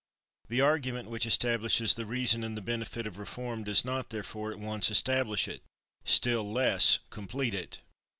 The argument which establishes the reason and the benefit of reform does not, therefore, at once establish it, still less complete it.